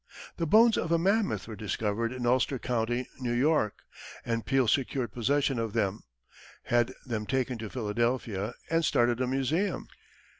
The bones of a mammoth were discovered in Ulster County, New York, and Peale secured possession of them, had them taken to Philadelphia, and started a museum.